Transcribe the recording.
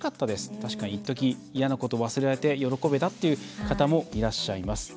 確かに一時嫌なことを忘れられて喜べたという方もいらっしゃいます。